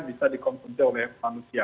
bisa dikonsumsi oleh manusia